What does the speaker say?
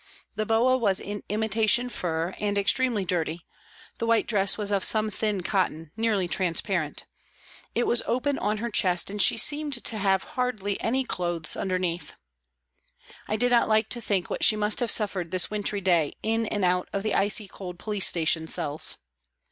The boa was in imitation fur and extremely dirty, the white dress was of some thin cotton, nearly transparent ; it was open on her chest and she seemed to have hardly any clothes underneath. I did not like to think what she must have suffered this wintry day, in and out of the icy cold police station cells.